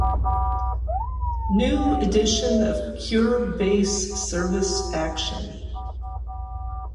New edition of Kure Base Service Action.